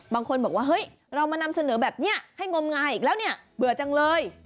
บางคนบอกว่าเฮ้ยเรามานำเสนอแบบนี้ให้งมงายอีกแล้วเนี่ยเบื่อจังเลย